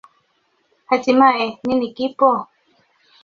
Hatimaye, nini kipo?